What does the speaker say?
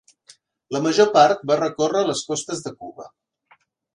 La major part va recórrer les costes de Cuba.